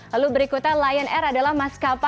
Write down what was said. lalu berikutnya lion air adalah maskapai